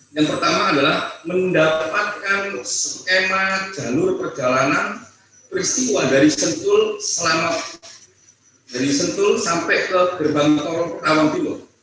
yang pertama adalah mendapatkan skema jalur perjalanan peristiwa dari sentul sampai ke gerbang torong pertawang timur